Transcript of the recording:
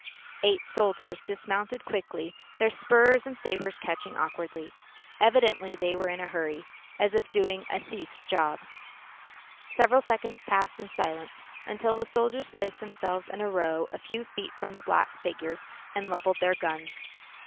Eight soldiers dismounted quickly, their spurs and sabres catching awkwardly. Evidently they were in a hurry, as if doing a thief's job. Several seconds passed in silence until the soldiers placed themselves in a row a few feet from the black figures and levelled their guns.